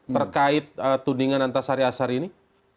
terkait tudingan antasari azhar ini